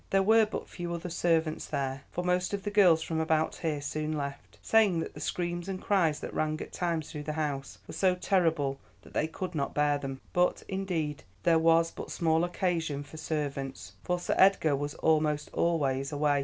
There were but few other servants there, for most of the girls from about here soon left, saying that the screams and cries that rang at times through the house were so terrible that they could not bear them; but, indeed, there was but small occasion for servants, for Sir Edgar was almost always away.